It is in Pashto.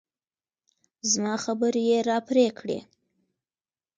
زما خبرې يې راپرې کړې.